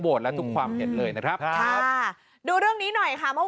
และทุกความเห็นเลยนะครับครับค่ะดูเรื่องนี้หน่อยค่ะเมื่อ